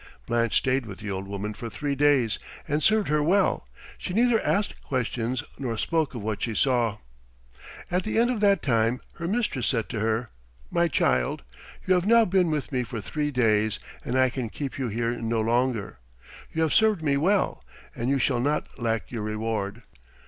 Blanche stayed with the old woman for three days and served her well; she neither asked questions nor spoke of what she saw. At the end of that time her mistress said to her, "My child, you have now been with me for three days, and I can keep you here no longer. You have served me well, and you shall not lack your reward.